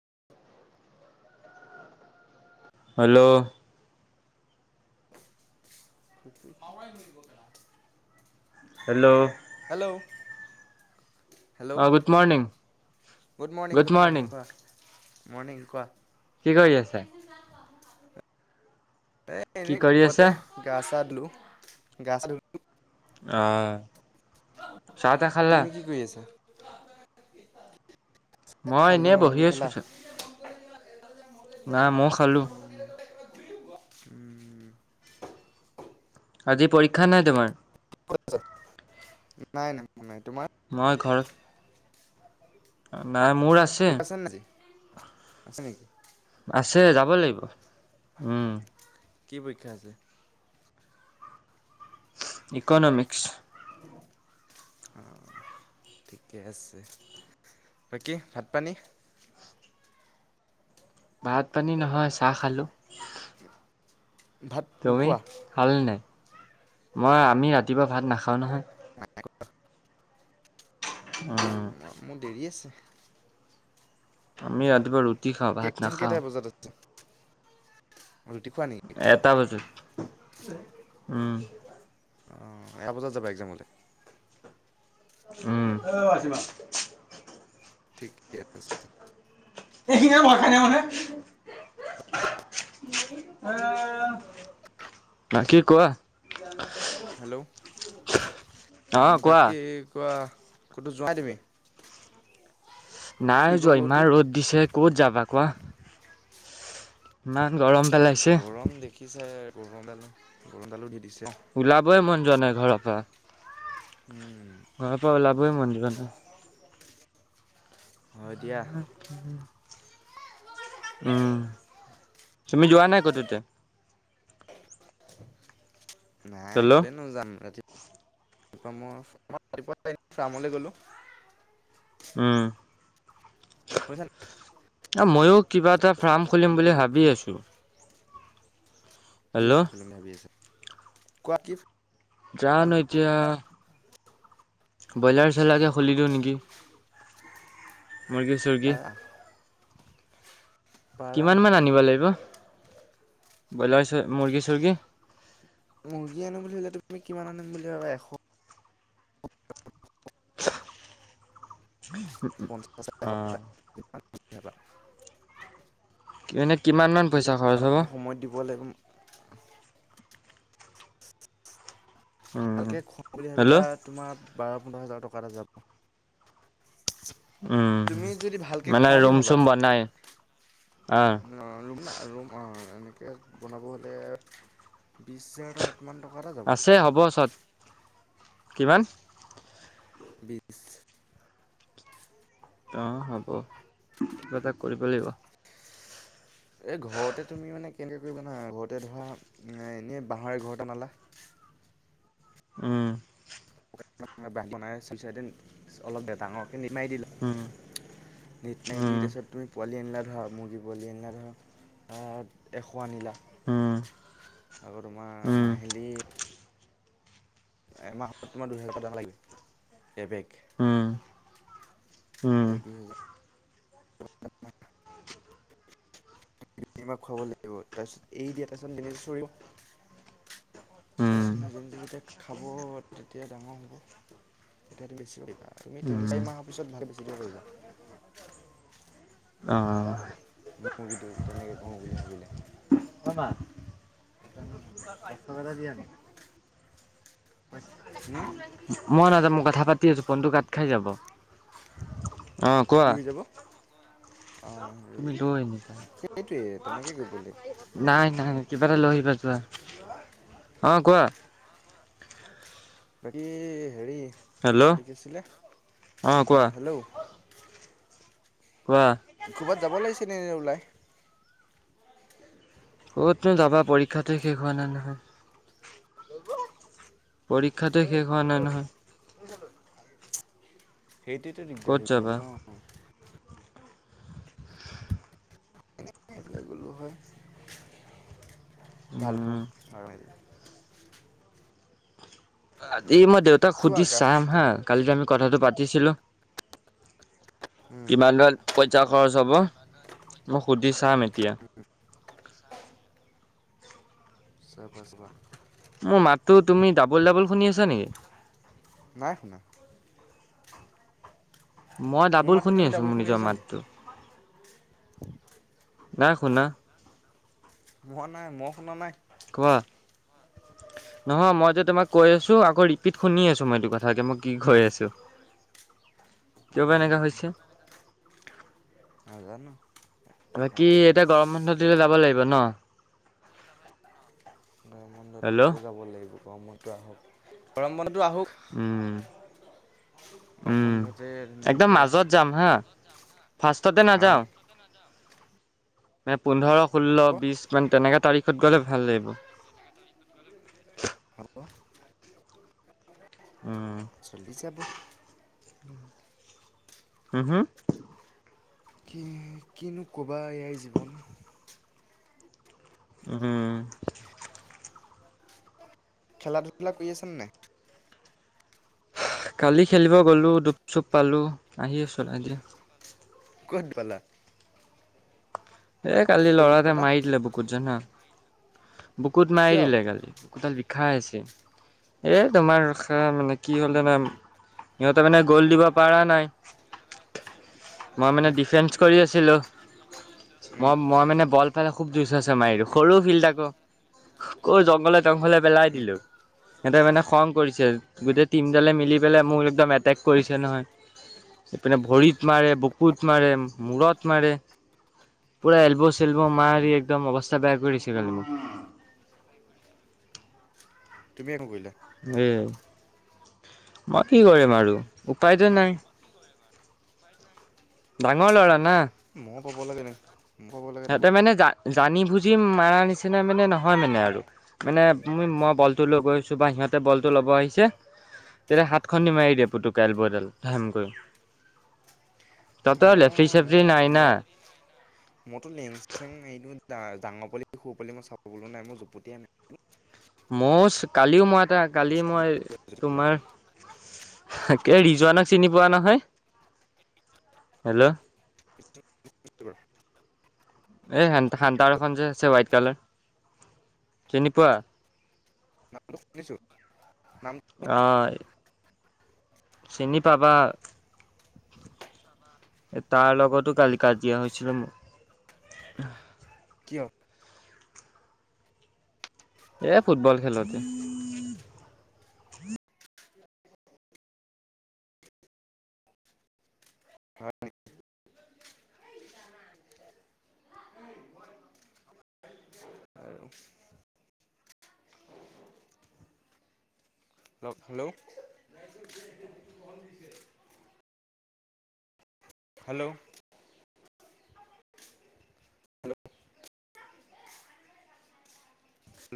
[inaudible] Hello মওৰা ধৰি [unintelligible] hello hello অ' good morning. Good morning, good morning কোৱা, মৰ্ণিং কোৱা কি কৰি আছে? এ কি এনে কৰি আছা ঘৰতে গা চা ধলো, গা চা ধলো। আহ। চাহ তাহ খালা তুমি কি কৰি আছা? মই খাল ন এনেই বহি তমি খেলা আছো না মই খালো [unintelligible] উম [unintelligible] আজি পৰীক্ষা নাই তোমাৰ? নাই নাই। তোমাৰ মই ঘৰ নাই মোৰ আছে পৰীক্ষা নাই আজি আছে নেকি আছে, যাব বই লাগিব, উম। কি পৰীক্ষা আছে? ইক'নমিক্স। অ', ঠিকে আছে। বাকী ভাত পানী? ভাত পানী নহয় চাহ খালো। ক [inaudible] তুমি খালানে নাই? মই আমি ৰাতিপুৱা ভাত নাখাওঁ নহয়। উম মোৰ দেৰি আছে। আমি ৰাতিপুৱা ৰুটি খাওঁ ভাত এক্সাম কেইটা নাখাওঁ। বজাত আছে ৰুটি খোৱা নেকি? এটা বজাত উম। আহ এ বজাত যাবা একজামলৈ? উম [unintelligible] ঠিকে আছে। এইখিনিয়ে ভই খাইনে মানে? ন কি কোৱা? হেল্ল' অ কোৱা বাকী কোৱা ক'তো যোৱাই তুমি? নাই ফুৰিব যোৱা গ'তো ইমান ৰ'দ দিছে ক'ত যাবা কোৱা। ইমান গৰম। পেলাইছে গৰম দেখিছাই গৰমডাল গৰমডালো দি দিছে। ওলাবই মন যোৱা নাই ঘৰৰ পৰা। উম। ঘৰৰ পৰা ওলাবই মন যোৱা নাই। হয় দিয়া আহ অ'। উম, তুমি যোৱা নাই কতো এতিয়া? নাই হেল্ল' কলৈনো যাম, আজি ফ্ৰামলৈ গলো। উম কৰিছানে? অ' ময়ো কিবা এটা ফাৰ্ম খুলিম বুলি গ'লো ভাবি আছো। কি হেল্ল' খুলিম বুলি ভাবি আছে কোৱা কি ফাৰ্ম জানো এতিয়া ব্ৰইলাৰ চইলাৰকে খুলি দিওঁ নেকি। মৰ্গী চৰ্গী পাৰা পাৰা কিমান মান আনিব লাগিব, ব্ৰইলাৰ মুৰ্গী চুুৰৰ্গী মুৰ্গী আনো বুলিলে তুমি কিমান আনিম বুলি ভাবা এশ আহ। ধন্যবাদ। এনেই কিমান মান পইচা খৰচ হ'ব? দানাটো সময়ত দিব লাগিব উম ভালকে খুৱাওঁ বুলি ভাবিলে হেল্ল' তোমাৰ বাৰ পোন্ধৰ হাজাৰ টকা এটা যাব। উম তুমি যদি মানে ৰুম চুম বনাই? অ ম ৰুম আ ৰুম অ'। বনাব হ'লে বিশ হেজাৰ অমান টকা এটা যাব। আছে হ'ব চত কিমান? বিছ। অ' হ'ব কিবা এটা কৰিব লাগিব। এ ঘৰতে তুমি মানে কেনে ত জানা ঘৰতে ধৰা এনেই বাঁহৰে ঘৰতে মালা। উম। বাহ বনাই চল চাৰদিন অলপ দে দাঙৰ নিটমাৰি দিলা উম নিটমাৰি দি উম তাৰপিছত তুমি পোৱালি আনি লা ধৰা মুৰ্গী পোৱালি আনীলা ধৰা আহ এশ আনিলা। উম আকৌ তোমাৰ উম মাহিলী এমাহত তোমাৰ দুহেজাৰ দাম লাগিব। এবেগ উম উম এই দুহেজাৰ [inaudible] মাক কিবা খুৱাব লাগিব তাৰপিছত এ দিয়া তাৰপিছত লিমিট চৰিও উম নিজে নিজে যেতিয়া খাব তেতিয়া ডাঙৰ হব তেতিয়াতো বেছি কে তুমি তিনি উম চাৰি মাহৰ পিছত ভাল বেচি দিব পাৰিবা। অ'। মুৰ্গীটো তেনেকৈ কৰোঁ বুলি ভাবিলে। [unintelligible] হম, মই নাযানো মই কথা পাতি আছো, ফোনটো কাত খাই যাব অ' কোৱা। কি হৈ যাব অঁ হেৰি তুমি লৈ আনিবা সেইটোৱে তেনেকৈ কৰিব লাগিব নাই, নাই। কিবা এটা লই আহিবা যোৱা অ' কোৱা। বাকী হেৰি হেল্ল' এইটো কিছিলে, অ' হেল্ল' কোৱা ক'ৰবাত যাব লাগিছে এনে ওলাই? ক'তনো যাবা পৰীক্ষাটো শেষ হোৱা নাই নহয়। পৰীক্ষাটো শেষ হোৱা নাই নহয়। সেইটোতো ক'ত দিগদাৰ হৈ গ'ল যাবা ন। এইফালে হয় ভাল উম পাওঁ আৰু আজি মই দেউতাক ওলোৱা সুধি গা চাম হা কালি আমি কথাটো পাতিছিলো। উম কিমান বা পইচা খৰচ হ'ব মই সুধি চাম এতিয়া। চাবা, চাবা। মোৰ মাততো তুমি ডাবল ডাবল শুনি আছা নেকি নাই শুনা। মই মোৰ ডাবুল মাতটো শুনি তুমি আছো ডাবুল মোৰ নিজৰ শুনিছা নি মাতটো। নাই শুনা। মই নাই, মই শুনা নাই। কোৱা নহয় মই যে তোমাক কৈ আছো, আকৌ ৰিপিট শুনি আছো, মই এইটো কথাকে মই কি কৈ আছো। কিয়বা এনেকা হৈছে। নাজানো বাকী এতিয়া গৰম বন্ধ দিলে যাব লাগিব ন। গৰম হেল্ল' যাব লাগিব গৰমটো আহক গৰমবন্ধ আহক উম উম গৰমবন্ধতে তেনেকে ফাৰস্ততে নাযাওঁ মেপ পোন্ধৰ, ষোল্ল, হ'ব বিশ মান তেনেকা তাৰিখত গ'লে ভাল লাগিব। হেল্ল' উম চলি যাব। হম, হম। কিনো কিনো ক'বা ইয়াই জীৱন। উম। খেলা ধূলা কৰি আছা নে নাই। কালি খেলিব গলো দুপ চুপ পালো আহি চলাই দিয়া। ক'ত পালা। এ, কালি ক'ত ল'ৰা এটাই পালা মাৰদিলে বুকুত জানা। বুকুত মাৰি কিয় দিলে কালি বুকুতাল বিষাই আছে। এ, তোমাৰ ৰখা মানে কি হ'লে জানা সিহঁতে মানে গ'ল দিব পাৰা নাই। মই মানে উম ডিফেন্স কৰি আছিলো ম- মই মানে। [unintelligible] খুব জ আছে মাৰ সৰু ফিল আকৌ কৰ জংঘলত। [unintelligible] পেলাই উম দিলো সিহঁতে মানে খং কৰিছে। গোটেই টিমডালে মিলি পেলাই মোক একদম এটেক কৰিছে নহয়। এইপিনে ভৰিত মাৰে, বুকুত মাৰে, মূৰত মাৰে। পুৰা এল্বো- চেল্ব উম মাৰি একদম অৱস্থা বেয়া কৰিছে কালি। তুমি একো কৰিলা এ, মই কি কৰিম আৰু উপায়তো নাই। ডাঙৰ লৰা। না মই পাব লাগে ন। মই পাব লাগে নক সিহঁতে মানে য জানি বুজি মাৰা নিচিনা মানে নহয় মানে আৰু মানে উ, মই বলটো লৈ গৈছো বা সিহঁতে বলটো ল'ব আহিছে, তেতিয়া হাত খন দি মাৰি দিয়ে পুতুকাইল বৰডাল ধেম কৰি। [inaudible] মই-ম-মই- মইতো লেংচেং এই ডাঙৰ পলি সৰু পোয়ালি মই চাবলৈ নাই মই জুপতিয়াই মাৰিম। মইও কালিও মই এটা কালি মই তোমাৰ [unintelligible] ৰিজৱানক চিনি পোৱা নহয় হেল্ল' [unintelligible] এই হেন্ত হান্তাৰখন যে আছে হোৱাইট কালাৰ চিনি পোৱা। নাম টো শুনিছো। নাম অ' চিনি পাবা। এ, তাৰ লগতো কালি কাজিয়া হৈছিলো মোৰ কিয়? এ, ফুটবল খেলোতে আৰু [inaudible] হেল্ল' হেল্ল' হেল্ল'